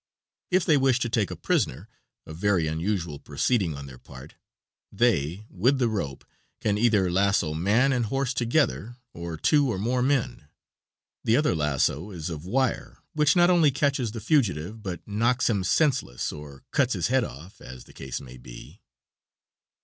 If they wish to take a prisoner a very unusual proceeding on their part they, with the rope, can either lasso man and horse together or two or more men. The other lasso is of wire, which not only catches the fugitive, but knocks him senseless or cuts his head off, as the case may be.